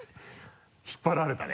引っ張られたね。